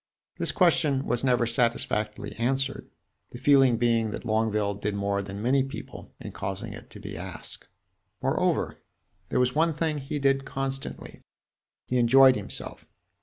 This question was never satisfactorily answered, the feeling being that Longueville did more than many people in causing it to be asked. Moreover, there was one thing he did constantly he enjoyed himself.